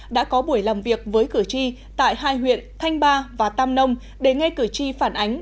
đã có buổi làm việc với cử tri tại hai huyện thanh ba và tam nông để ngay cử tri phản ánh